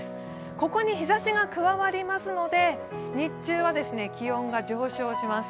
ここに日ざしが加わりますので、日中は気温が上昇します。